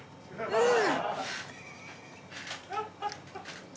うん！